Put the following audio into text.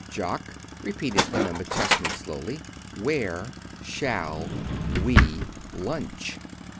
"Jock," repeated Emma McChesney slowly, "where shall we lunch?"